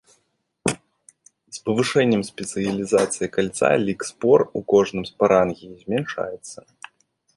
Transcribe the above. З павышэннем спецыялізацыі кальца лік спор у кожным спарангіі змяншаецца.